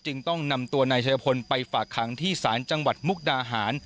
ต้องนำตัวนายชายพลไปฝากขังที่ศาลจังหวัดมุกดาหาร